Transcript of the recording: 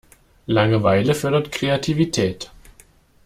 Langeweile fördert Kreativität.